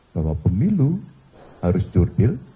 bahwa pemilu harus jurdil